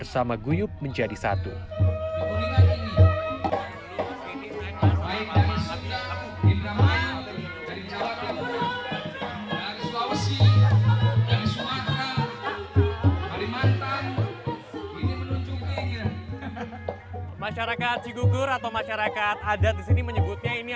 sampai jumpa di video selanjutnya